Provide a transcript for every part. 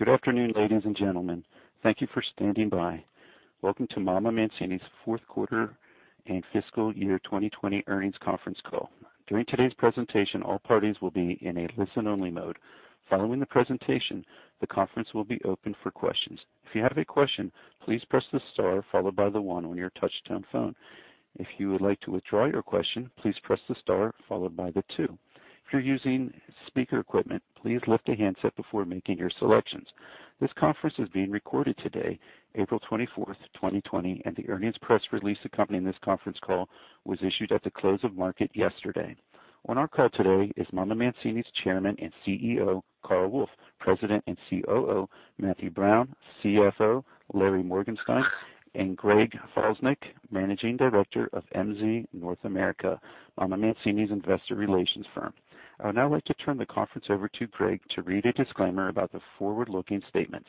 Good afternoon, ladies and gentlemen. Thank you for standing by. Welcome to MamaMancini's fourth quarter and fiscal year 2020 earnings conference call. During today's presentation, all parties will be in a listen-only mode. Following the presentation, the conference will be open for questions. If you have a question, please press the star followed by the 1 on your touch-tone phone. If you would like to withdraw your question, please press the star followed by the 2. If you're using speaker equipment, please lift a handset before making your selections. This conference is being recorded today, April 24th, 2020, and the earnings press release accompanying this conference call was issued at the close of market yesterday. On our call today is MamaMancini's Chairman and CEO, Carl Wolf, President and COO, Matthew Brown, CFO, Larry Morgenstein, and Greg Falesnik, Managing Director of MZ North America, MamaMancini's investor relations firm. I would now like to turn the conference over to Greg to read a disclaimer about the forward-looking statements.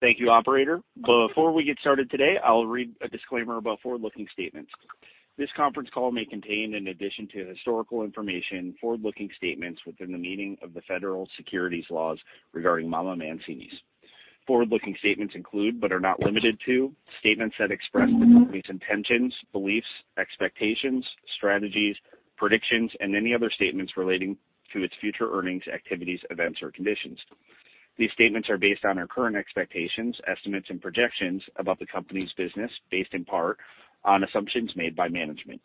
Thank you, operator. Before we get started today, I'll read a disclaimer about forward-looking statements. This conference call may contain, in addition to historical information, forward-looking statements within the meaning of the federal securities laws regarding MamaMancini's. Forward-looking statements include, but are not limited to, statements that express the company's intentions, beliefs, expectations, strategies, predictions, and any other statements relating to its future earnings, activities, events, or conditions. These statements are based on our current expectations, estimates, and projections about the company's business, based in part on assumptions made by management.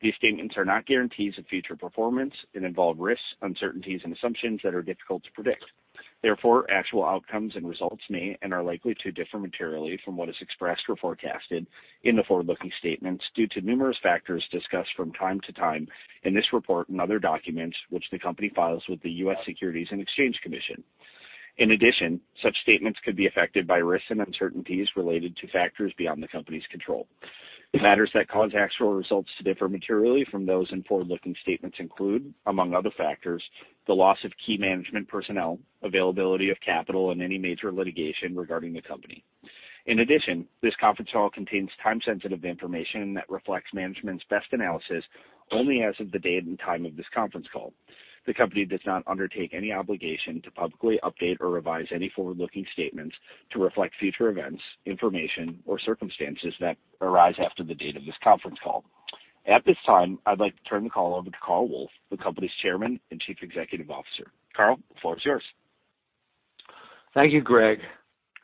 These statements are not guarantees of future performance and involve risks, uncertainties, and assumptions that are difficult to predict. Therefore, actual outcomes and results may and are likely to differ materially from what is expressed or forecasted in the forward-looking statements due to numerous factors discussed from time to time in this report and other documents, which the company files with the U.S. Securities and Exchange Commission. In addition, such statements could be affected by risks and uncertainties related to factors beyond the company's control. Matters that cause actual results to differ materially from those in forward-looking statements include, among other factors, the loss of key management personnel, availability of capital, and any major litigation regarding the company. In addition, this conference call contains time-sensitive information that reflects management's best analysis only as of the date and time of this conference call. The company does not undertake any obligation to publicly update or revise any forward-looking statements to reflect future events, information, or circumstances that arise after the date of this conference call. At this time, I'd like to turn the call over to Carl Wolf, the company's Chairman and Chief Executive Officer. Carl, the floor is yours. Thank you, Greg,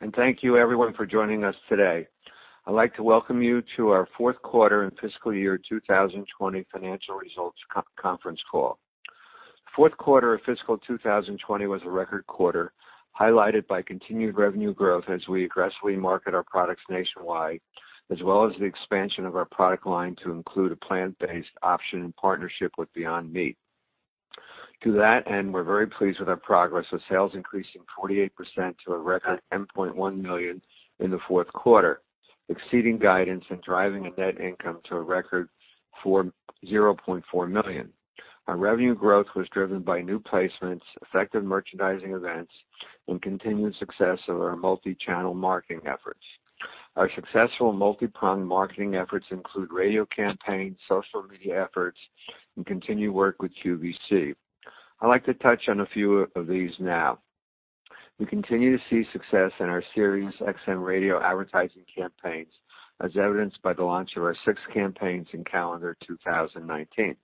and thank you everyone for joining us today. I'd like to welcome you to our fourth quarter and fiscal year 2020 financial results conference call. Fourth quarter of fiscal 2020 was a record quarter, highlighted by continued revenue growth as we aggressively market our products nationwide, as well as the expansion of our product line to include a plant-based option in partnership with Beyond Meat. To that end, we're very pleased with our progress, with sales increasing 48% to a record $10.1 million in the fourth quarter, exceeding guidance and driving a net income to a record $0.4 million. Our revenue growth was driven by new placements, effective merchandising events, and continued success of our multi-channel marketing efforts. Our successful multi-pronged marketing efforts include radio campaigns, social media efforts, and continued work with QVC. I'd like to touch on a few of these now. We continue to see success in our SiriusXM Radio advertising campaigns, as evidenced by the launch of our 6 campaigns in calendar 2019.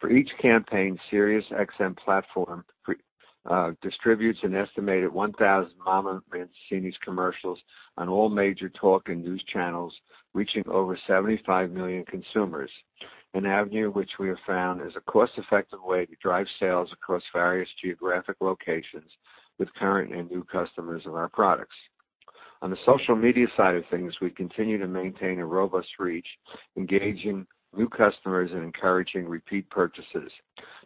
For each campaign, SiriusXM platform distributes an estimated 1,000 MamaMancini's commercials on all major talk and news channels, reaching over 75 million consumers, an avenue which we have found is a cost-effective way to drive sales across various geographic locations with current and new customers of our products. On the social media side of things, we continue to maintain a robust reach, engaging new customers and encouraging repeat purchases.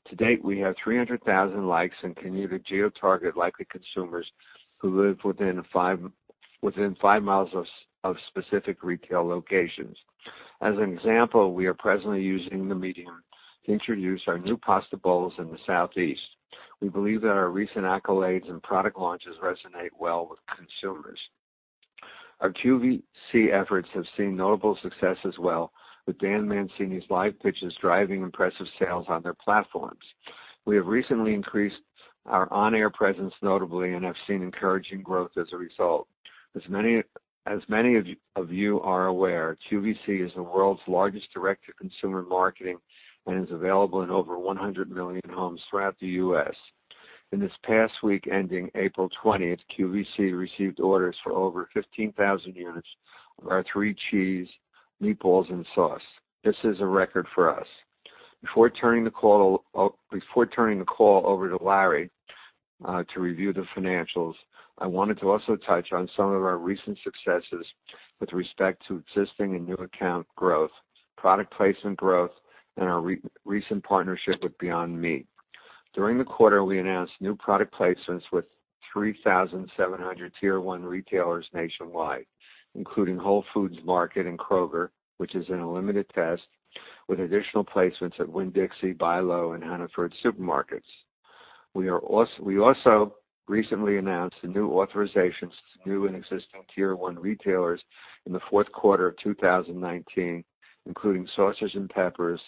To date, we have 300,000 likes and continue to geo-target likely consumers who live within five miles of specific retail locations. As an example, we are presently using the medium to introduce our new pasta bowls in the Southeast. We believe that our recent accolades and product launches resonate well with consumers. Our QVC efforts have seen notable success as well, with Dan Mancini's live pitches driving impressive sales on their platforms. We have recently increased our on-air presence notably and have seen encouraging growth as a result. As many of you are aware, QVC is the world's largest direct-to-consumer marketing and is available in over 100 million homes throughout the U.S. In this past week, ending April twentieth, QVC received orders for over 15,000 units of our Three Cheese Meatballs and Sauce. This is a record for us. Before turning the call over to Larry, to review the financials, I wanted to also touch on some of our recent successes with respect to existing and new account growth, product placement growth, and our recent partnership with Beyond Meat. During the quarter, we announced new product placements with 3,700 tier one retailers nationwide, including Whole Foods Market and Kroger, which is in a limited test with additional placements at Winn-Dixie, BI-LO, and Hannaford Supermarkets. We also recently announced the new authorizations to new and existing tier one retailers in the fourth quarter of 2019, including Sausages and Peppers,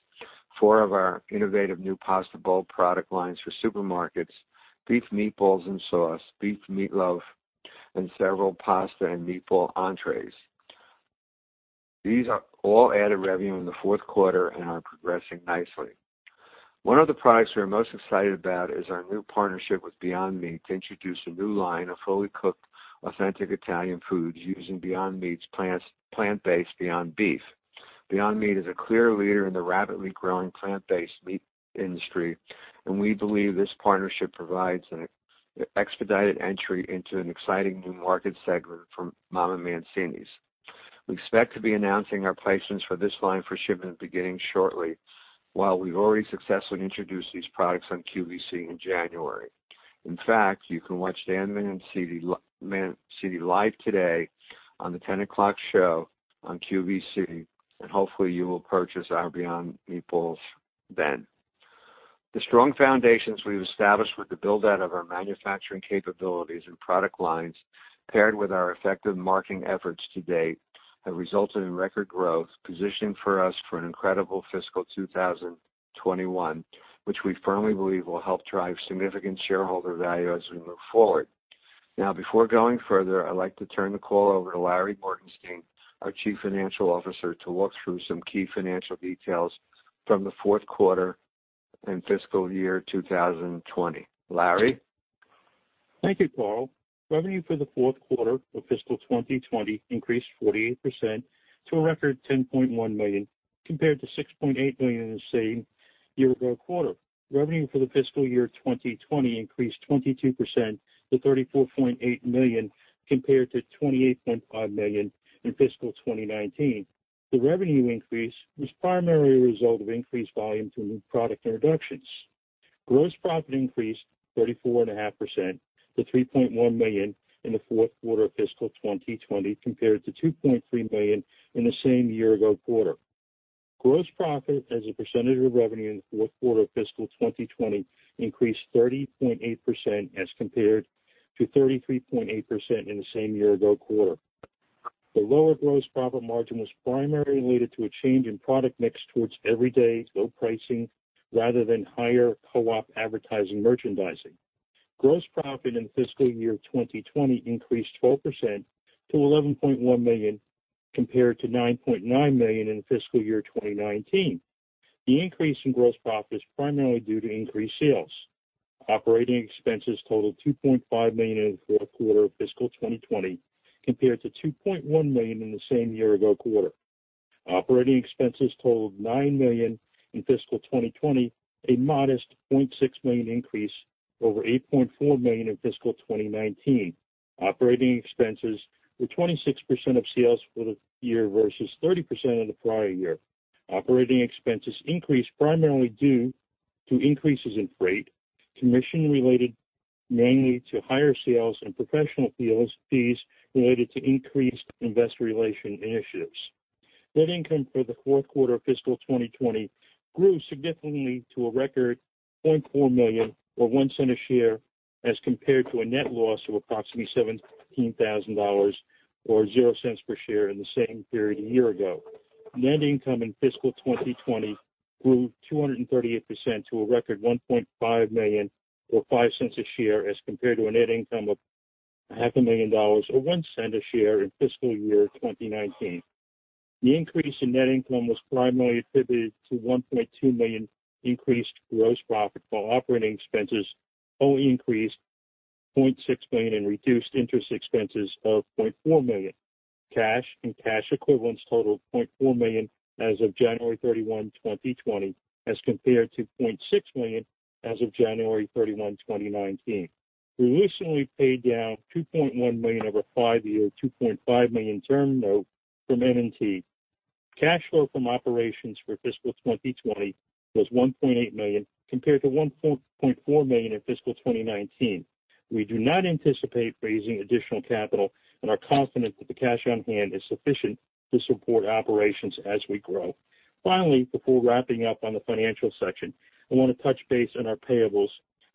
4 of our innovative new Pasta Bowl product lines for supermarkets, Beef Meatballs and Sauce, Beef Meatloaf, and several pasta and meatball entrees. These are all added revenue in the fourth quarter and are progressing nicely. One of the products we are most excited about is our new partnership with Beyond Meat to introduce a new line of fully cooked, authentic Italian foods using Beyond Meat's plant-based Beyond Beef. Beyond Meat is a clear leader in the rapidly growing plant-based meat industry, and we believe this partnership provides an expedited entry into an exciting new market segment for MamaMancini's. We expect to be announcing our placements for this line for shipment beginning shortly, while we've already successfully introduced these products on QVC in January. In fact, you can watch Dan Mancini live today on the 10 o'clock show on QVC, and hopefully, you will purchase our Beyond meatballs then. The strong foundations we've established with the build-out of our manufacturing capabilities and product lines, paired with our effective marketing efforts to date, have resulted in record growth, positioning for us for an incredible fiscal 2021, which we firmly believe will help drive significant shareholder value as we move forward. Now, before going further, I'd like to turn the call over to Larry Morgenstein, our Chief Financial Officer, to walk through some key financial details from the fourth quarter and fiscal year 2020. Larry? Thank you, Carl. Revenue for the fourth quarter of fiscal 2020 increased 48% to a record $10.1 million, compared to $6.8 million in the same year-ago quarter. Revenue for the fiscal year 2020 increased 22% to $34.8 million, compared to $28.5 million in fiscal 2019. The revenue increase was primarily a result of increased volume to new product introductions. Gross profit increased 34.5% to $3.1 million in the fourth quarter of fiscal 2020, compared to $2.3 million in the same year-ago quarter. Gross profit as a percentage of revenue in the fourth quarter of fiscal 2020 increased 30.8% as compared to 33.8% in the same year-ago quarter. The lower gross profit margin was primarily related to a change in product mix towards everyday low pricing rather than higher co-op advertising merchandising. Gross profit in fiscal year 2020 increased 12% to $11.1 million, compared to $9.9 million in fiscal year 2019. The increase in gross profit is primarily due to increased sales. Operating expenses totaled $2.5 million in the fourth quarter of fiscal 2020, compared to $2.1 million in the same year-ago quarter. Operating expenses totaled $9 million in fiscal 2020, a modest $0.6 million increase over $8.4 million in fiscal 2019. Operating expenses were 26% of sales for the year versus 30% in the prior year. Operating expenses increased primarily due to increases in freight, commission related, mainly to higher sales and professional fees, fees related to increased investor relation initiatives. Net income for the fourth quarter of fiscal 2020 grew significantly to a record $0.4 million, or $0.01 per share, as compared to a net loss of approximately $17,000, or $0.00 per share in the same period a year ago. Net income in fiscal 2020 grew 238% to a record $1.5 million, or $0.05 per share, as compared to a net income of $500,000, or $0.01 per share in fiscal year 2019. The increase in net income was primarily attributed to $1.2 million increased gross profit, while operating expenses only increased $0.6 million and reduced interest expenses of $0.4 million. Cash and cash equivalents totaled $0.4 million as of January 31, 2020, as compared to $0.6 million as of January 31, 2019. We recently paid down $2.1 million of a five-year, $2.5 million term note from M&T. Cash flow from operations for fiscal 2020 was $1.8 million, compared to $1.4 million in fiscal 2019. We do not anticipate raising additional capital and are confident that the cash on hand is sufficient to support operations as we grow. Finally, before wrapping up on the financial section, I want to touch base on our payables,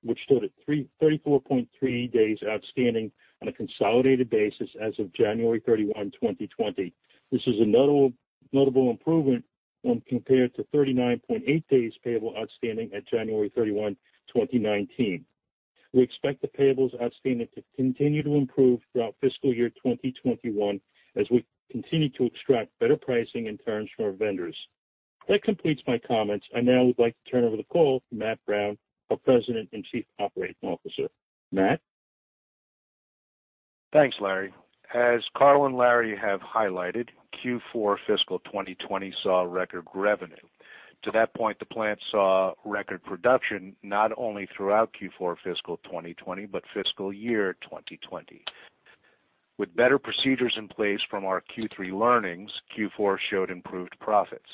which stood at 334.3 days outstanding on a consolidated basis as of January 31, 2020. This is a notable improvement when compared to 39.8 days payable outstanding at January 31, 2019. We expect the payables outstanding to continue to improve throughout fiscal year 2021 as we continue to extract better pricing and terms from our vendors. That completes my comments. I now would like to turn over the call to Matt Brown, our President and Chief Operating Officer. Matt? Thanks, Larry. As Carl and Larry have highlighted, Q4 fiscal 2020 saw record revenue. To that point, the plant saw record production, not only throughout Q4 fiscal 2020, but fiscal year 2020. With better procedures in place from our Q3 learnings, Q4 showed improved profits.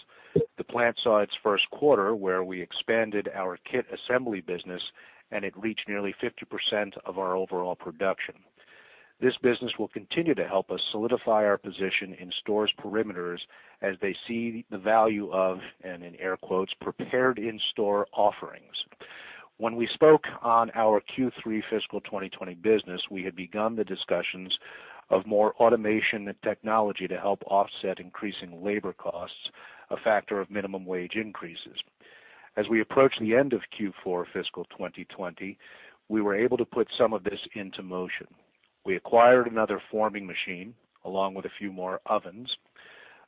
The plant saw its first quarter, where we expanded our kit assembly business, and it reached nearly 50% of our overall production. This business will continue to help us solidify our position in stores' perimeters as they see the value of, and in air quotes, "prepared in-store offerings. .When we spoke on our Q3 fiscal 2020 business, we had begun the discussions of more automation and technology to help offset increasing labor costs, a factor of minimum wage increases. As we approach the end of Q4 fiscal 2020, we were able to put some of this into motion. We acquired another forming machine, along with a few more ovens.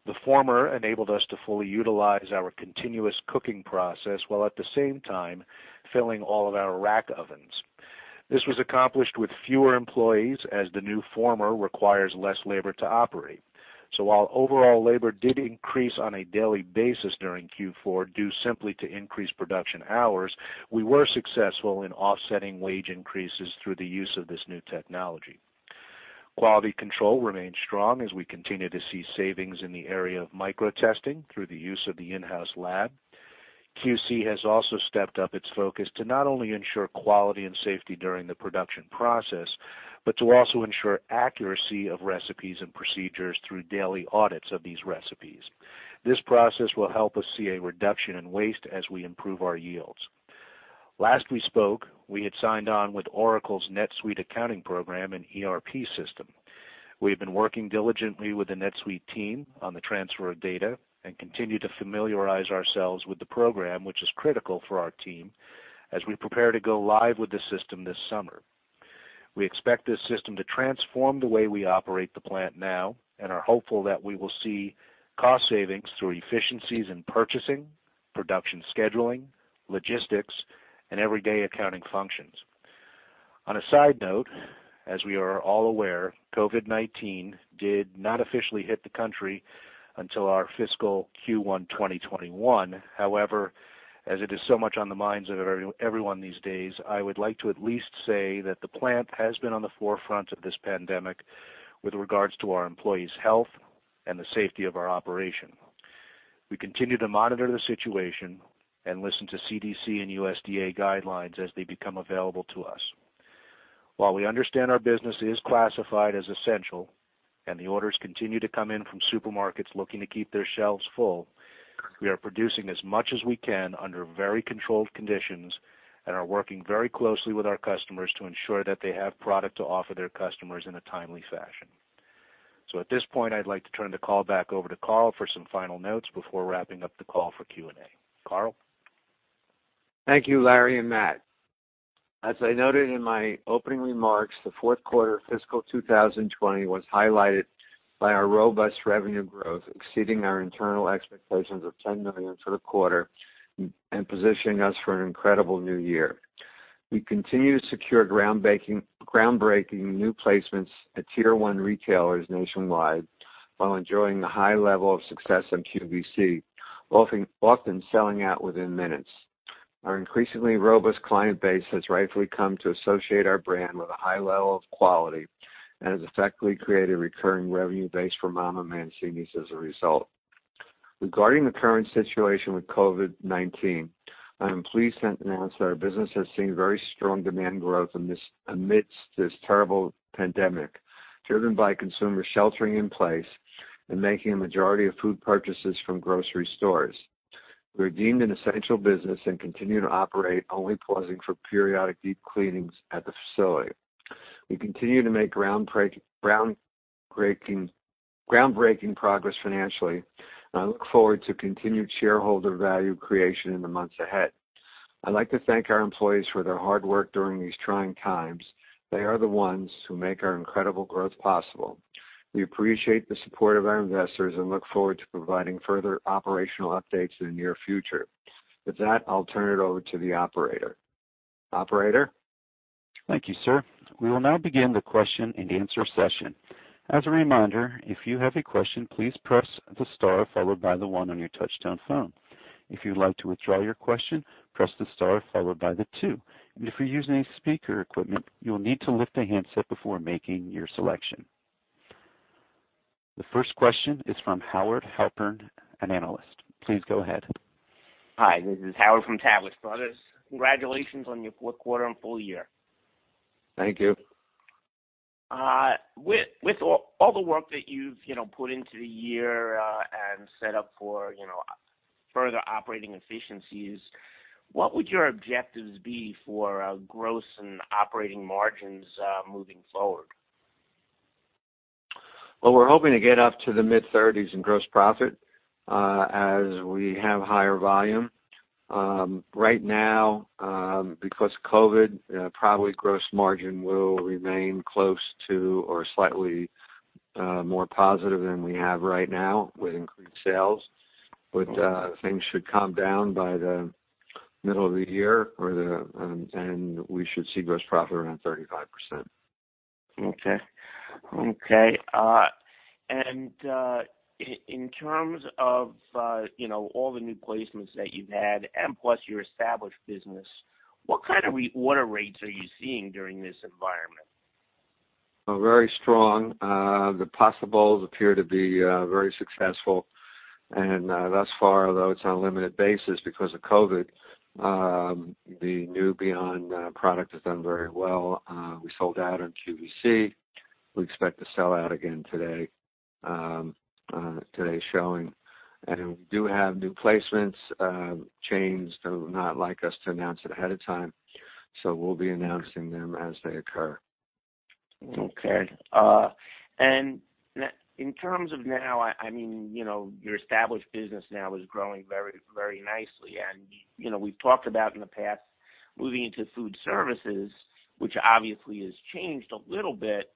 The former enabled us to fully utilize our continuous cooking process, while at the same time, filling all of our rack ovens. This was accomplished with fewer employees, as the new former requires less labor to operate. So while overall labor did increase on a daily basis during Q4, due simply to increased production hours, we were successful in offsetting wage increases through the use of this new technology. Quality control remains strong as we continue to see savings in the area of micro testing through the use of the in-house lab. QC has also stepped up its focus to not only ensure quality and safety during the production process, but to also ensure accuracy of recipes and procedures through daily audits of these recipes. This process will help us see a reduction in waste as we improve our yields. Last we spoke, we had signed on with Oracle's NetSuite accounting program and ERP system. We have been working diligently with the NetSuite team on the transfer of data and continue to familiarize ourselves with the program, which is critical for our team as we prepare to go live with the system this summer. We expect this system to transform the way we operate the plant now and are hopeful that we will see cost savings through efficiencies in purchasing, production, scheduling, logistics, and everyday accounting functions. On a side note, as we are all aware, COVID-19 did not officially hit the country until our fiscal Q1, 2021. However, as it is so much on the minds of everyone these days, I would like to at least say that the plant has been on the forefront of this pandemic with regards to our employees' health and the safety of our operation. We continue to monitor the situation and listen to CDC and USDA guidelines as they become available to us. While we understand our business is classified as essential, and the orders continue to come in from supermarkets looking to keep their shelves full, we are producing as much as we can under very controlled conditions and are working very closely with our customers to ensure that they have product to offer their customers in a timely fashion. So at this point, I'd like to turn the call back over to Carl for some final notes before wrapping up the call for Q&A. Carl? Thank you, Larry and Matt. As I noted in my opening remarks, the fourth quarter of fiscal 2020 was highlighted by our robust revenue growth, exceeding our internal expectations of $10 million for the quarter and positioning us for an incredible new year. We continue to secure groundbreaking new placements at tier one retailers nationwide, while enjoying the high level of success on QVC, often selling out within minutes. Our increasingly robust client base has rightfully come to associate our brand with a high level of quality and has effectively created a recurring revenue base for MamaMancini's as a result. Regarding the current situation with COVID-19, I am pleased to announce that our business has seen very strong demand growth in this, amidst this terrible pandemic, driven by consumer sheltering in place and making a majority of food purchases from grocery stores. We're deemed an essential business and continue to operate, only pausing for periodic deep cleanings at the facility. We continue to make groundbreaking progress financially, and I look forward to continued shareholder value creation in the months ahead. I'd like to thank our employees for their hard work during these trying times. They are the ones who make our incredible growth possible. We appreciate the support of our investors and look forward to providing further operational updates in the near future. With that, I'll turn it over to the operator. Operator? Thank you, sir. We will now begin the question-and-answer session. As a reminder, if you have a question, please press the star followed by the one on your touchtone phone. If you'd like to withdraw your question, press the star followed by the two. If you're using speaker equipment, you will need to lift the handset before making your selection. The first question is from Howard Halpern, an analyst. Please go ahead. Hi, this is Howard from Taglich Brothers. Congratulations on your fourth quarter and full year. Thank you. With all the work that you've, you know, put into the year, and set up for, you know, further operating efficiencies, what would your objectives be for gross and operating margins moving forward? Well, we're hoping to get up to the mid-thirties in gross profit, as we have higher volume. Right now, because COVID, probably gross margin will remain close to or slightly, more positive than we have right now with increased sales. But, things should calm down by the middle of the year or the... And we should see gross profit around 35%. In terms of, you know, all the new placements that you've had and plus your established business, what kind of reorder rates are you seeing during this environment? Very strong. The Pasta Bowls appear to be very successful, and thus far, though it's on a limited basis because of COVID, the new Beyond product has done very well. We sold out on QVC.. We expect to sell out again today, today's showing. And we do have new placements. Chains do not like us to announce it ahead of time, so we'll be announcing them as they occur. Okay. And in terms of now, I mean, you know, your established business now is growing very, very nicely. And, you know, we've talked about in the past, moving into food services, which obviously has changed a little bit.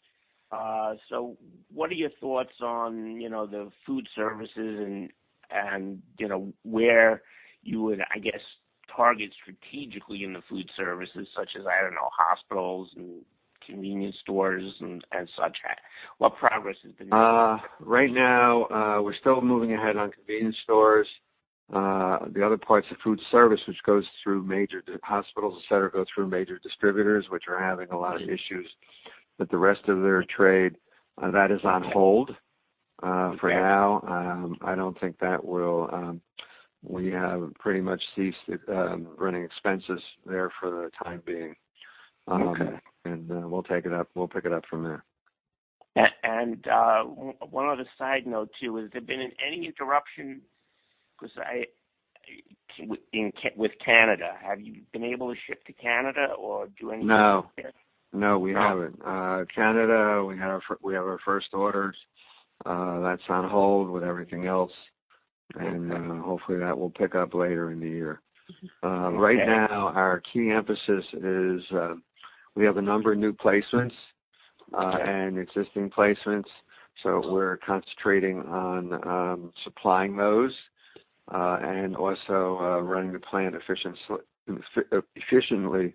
So what are your thoughts on, you know, the food services and, you know, where you would, I guess, target strategically in the food services, such as, I don't know, hospitals and convenience stores and such? What progress has been made? Right now, we're still moving ahead on convenience stores. The other parts of food service, which goes through major hospitals, et cetera, go through major distributors, which are having a lot of issues with the rest of their trade, that is on hold, for now. Okay. I don't think that will. We have pretty much ceased running expenses there for the time being. Okay. We'll pick it up from there. One other side note, too, has there been any interruption, because I, with Canada, have you been able to ship to Canada or do any- No. No, we haven't. No? Canada, we have our first orders, that's on hold with everything else, and hopefully, that will pick up later in the year. Okay. Right now, our key emphasis is, we have a number of new placements- Okay And existing placements, so we're concentrating on supplying those, and also running the plant efficiently,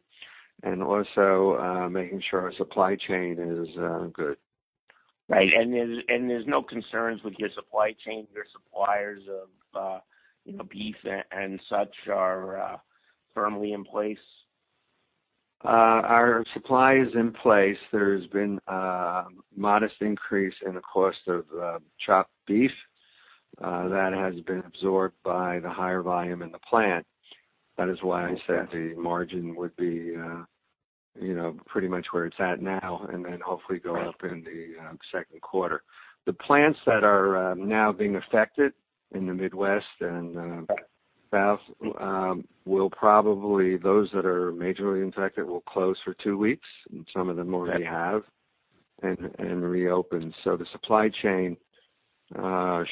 and also making sure our supply chain is good. Right. And there's no concerns with your supply chain, your suppliers of, you know, beef and such are firmly in place? Our supply is in place. There's been a modest increase in the cost of chopped beef that has been absorbed by the higher volume in the plant. That is why I said the margin would be, you know, pretty much where it's at now, and then hopefully go up- Right In the second quarter. The plants that are now being affected in the Midwest and- Right South, will probably, those that are majorly impacted, will close for two weeks, and some of them already have- Okay And reopen. So the supply chain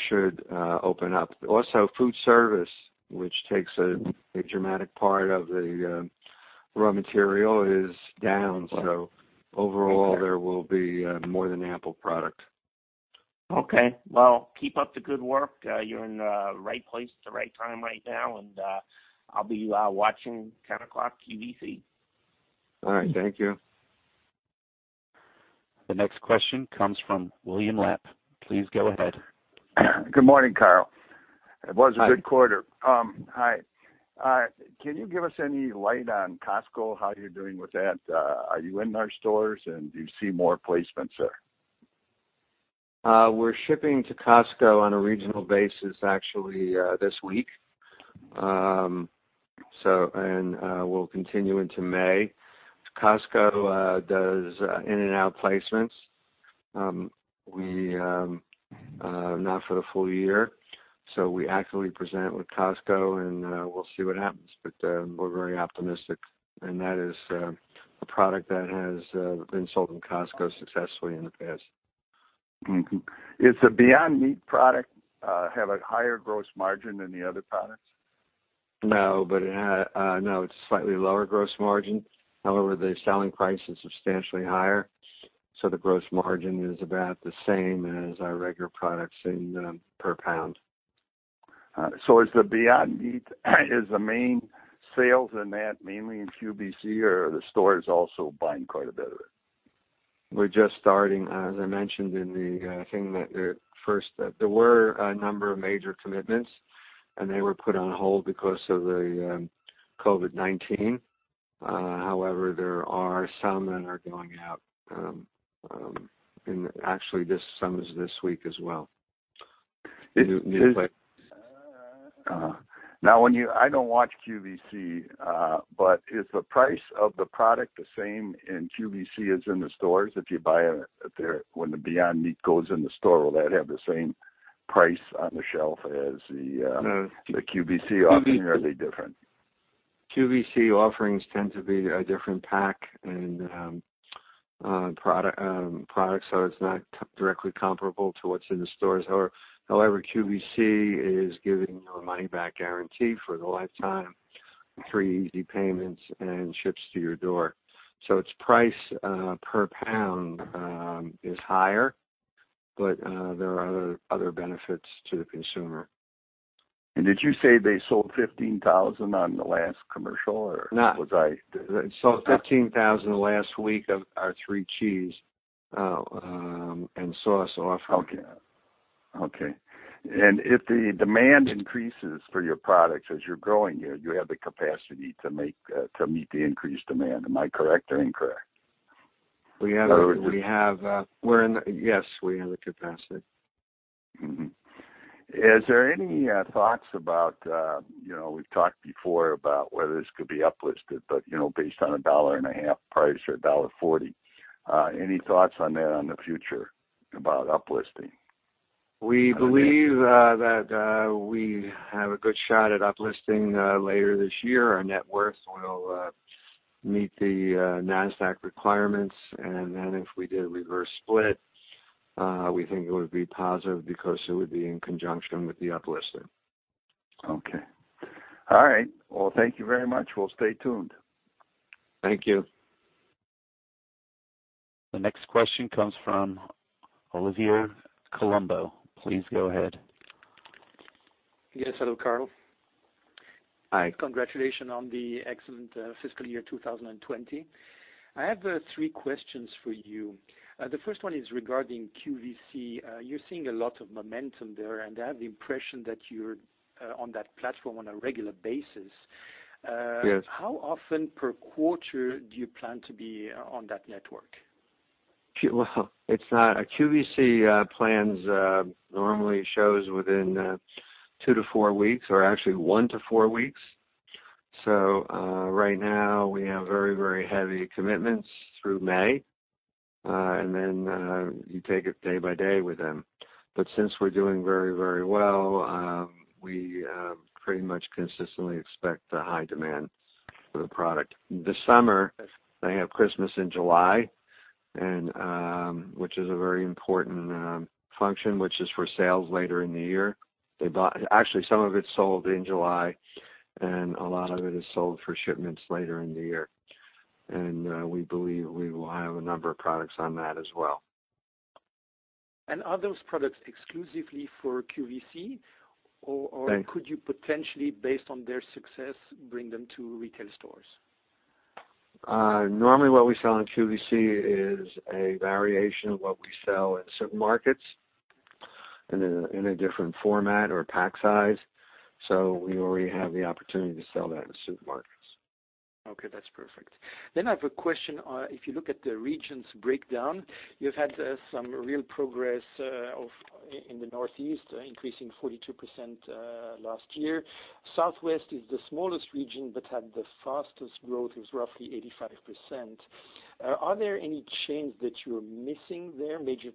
should open up. Also, food service, which takes a dramatic part of the raw material, is down. Right. So overall. Okay There will be, more than ample product. Okay, well, keep up the good work. You're in the right place at the right time right now, and I'll be watching 10 o'clock QVC. All right. Thank you. The next question comes from William Rapp. Please go ahead. Good morning, Carl. Hi. It was a good quarter. Hi, can you give us any light on Costco, how you're doing with that? Are you in our stores, and do you see more placements there? We're shipping to Costco on a regional basis, actually, this week. We'll continue into May. Costco does in and out placements. Not for the full year, so we actively present with Costco, and we'll see what happens. But we're very optimistic, and that is a product that has been sold in Costco successfully in the past. Is the Beyond Meat product have a higher gross margin than the other products? No, but no, it's a slightly lower gross margin. However, the selling price is substantially higher, so the gross margin is about the same as our regular products in per pound. So, is the Beyond Meat, is the main sales in that mainly in QVC, or are the stores also buying quite a bit of it? We're just starting, as I mentioned in the thing that there were a number of major commitments, and they were put on hold because of the COVID-19. However, there are some that are going out, and actually, some is this week as well. Is, is. Now, I don't watch QVC, but is the price of the product the same in QVC as in the stores? If you buy it at there, when the Beyond Meat goes in the store, will that have the same price on the shelf as the No The QVC offering, or are they different? QVC offerings tend to be a different pack and product, so it's not directly comparable to what's in the stores. However, QVC is giving you a money-back guarantee for the lifetime, three easy payments, and ships to your door. So its price per pound is higher, but there are other benefits to the consumer. Did you say they sold 15,000 on the last commercial, or. No Was I. They sold 15,000 the last week of our three cheese and sauce offering. Okay. Okay, and if the demand increases for your products as you're growing here, you have the capacity to make, to meet the increased demand. Am I correct or incorrect? Or would- We have, we're in the. Yes, we have the capacity. Is there any thoughts about, you know, we've talked before about whether this could be uplisted, but, you know, based on a $1.50 price or a $1.40, any thoughts on that on the future about uplisting? We believe that we have a good shot at uplisting later this year. Our net worth will meet the NASDAQ requirements, and then if we do a reverse split, we think it would be positive because it would be in conjunction with the uplisting. Okay. All right. Well, thank you very much. We'll stay tuned. Thank you. The next question comes from Olivier Colombo. Please go ahead. Yes, hello, Carl. Hi. Congratulations on the excellent fiscal year 2020. I have three questions for you. The first one is regarding QVC. You're seeing a lot of momentum there, and I have the impression that you're on that platform on a regular basis. Yes. How often per quarter do you plan to be on that network? Well, it's not a QVC plans normally shows within 2-4 weeks, or actually 1-4 weeks. So, right now, we have very, very heavy commitments through May, and then you take it day by day with them. But since we're doing very, very well, we pretty much consistently expect a high demand for the product. This summer, they have Christmas in July, and which is a very important function, which is for sales later in the year. They bought. Actually, some of it's sold in July, and a lot of it is sold for shipments later in the year. And we believe we will have a number of products on that as well. Are those products exclusively for QVC, or. Yes Or could you potentially, based on their success, bring them to retail stores? Normally, what we sell on QVC is a variation of what we sell in supermarkets, in a different format or pack size. So we already have the opportunity to sell that in supermarkets. Okay, that's perfect. I have a question. If you look at the regions breakdown, you've had some real progress in the Northeast, increasing 42% last year. Southwest is the smallest region, but had the fastest growth, it was roughly 85%. Are there any chains that you're missing there, major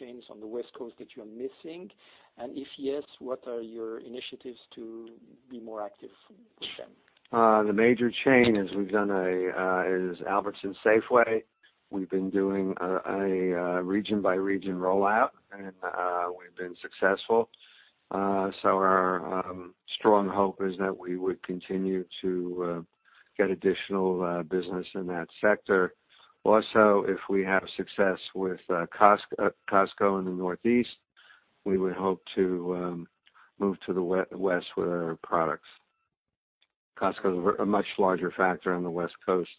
chains on the West Coast that you're missing? And if yes, what are your initiatives to be more active with them? The major chain is Albertsons Safeway. We've been doing a region-by-region rollout, and we've been successful. So our strong hope is that we would continue to get additional business in that sector. Also, if we have success with Costco in the Northeast, we would hope to move to the West with our products. Costco is a much larger factor on the West Coast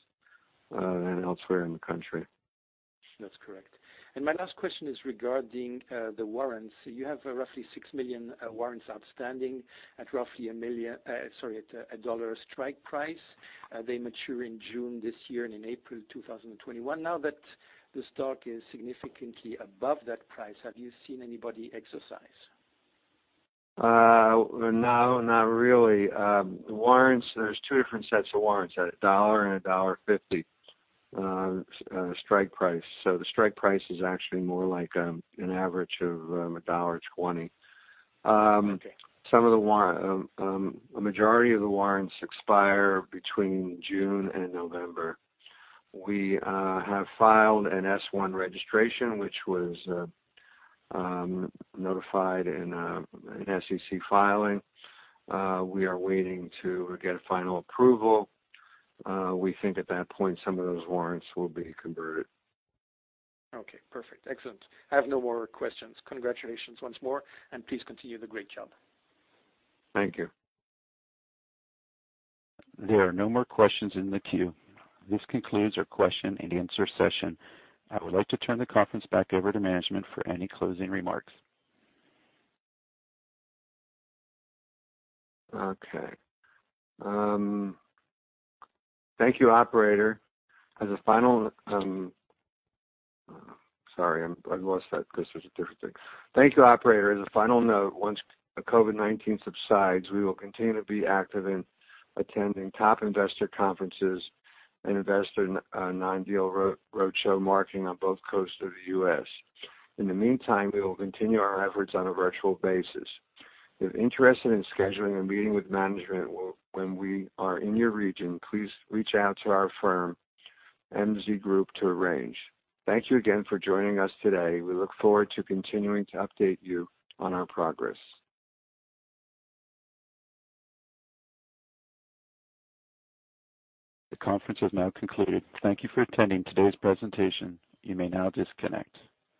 than elsewhere in the country. That's correct. And my last question is regarding the warrants. You have roughly 6 million warrants outstanding at roughly 1 million, sorry, at a $1 strike price. They mature in June this year and in April 2021. Now that the stock is significantly above that price, have you seen anybody exercise? No, not really. The warrants, there's two different sets of warrants at $1 and $1.50 strike price. So the strike price is actually more like an average of $1.20. Okay. Some of the warrants expire between June and November. We have filed an S-1 registration, which was notified in an SEC filing. We are waiting to get a final approval. We think at that point, some of those warrants will be converted. Okay, perfect. Excellent. I have no more questions. Congratulations once more, and please continue the great job. Thank you. There are no more questions in the queue. This concludes our question-and-answer session. I would like to turn the conference back over to management for any closing remarks. Okay. Thank you, operator. As a final note, once COVID-19 subsides, we will continue to be active in attending top investor conferences and investor non-deal roadshow marketing on both coasts of the U.S. In the meantime, we will continue our efforts on a virtual basis. If interested in scheduling a meeting with management when we are in your region, please reach out to our firm, MZ Group, to arrange. Thank you again for joining us today. We look forward to continuing to update you on our progress. The conference has now concluded. Thank you for attending today's presentation. You may now disconnect.